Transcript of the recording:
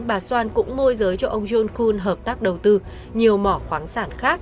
bà soan cũng môi giới cho ông john kuhn hợp tác đầu tư nhiều mỏ khoáng sản khác